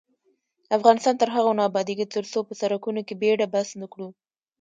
افغانستان تر هغو نه ابادیږي، ترڅو په سرکونو کې بیړه بس نکړو.